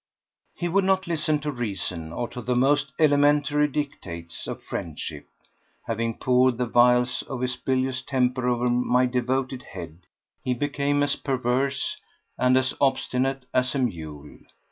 He would not listen to reason or to the most elementary dictates of friendship. Having poured the vials of his bilious temper over my devoted head, he became as perverse and as obstinate as a mule.